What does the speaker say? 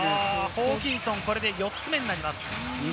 ホーキンソン、これで４つ目になります。